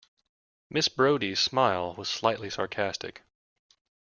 Miss Brodie's smile was slightly sarcastic.